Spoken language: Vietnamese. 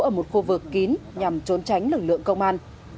ở một khu vực kín nhằm trốn tránh lực lượng công an